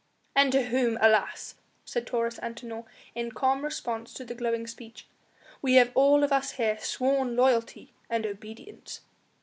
"And to whom, alas!" said Taurus Antinor in calm response to the glowing speech, "we have all of us here sworn loyalty and obedience."